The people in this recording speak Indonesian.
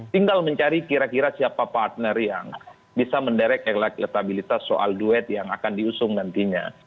tinggal mencari kira kira siapa partner yang bisa menderek elektabilitas soal duet yang akan diusung nantinya